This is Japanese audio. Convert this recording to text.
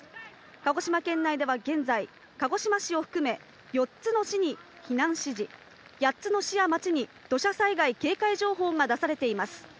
鹿児島県内では現在、鹿児島市を含め、４つの市に避難指示、８つの市や町に土砂災害警戒情報が出されています。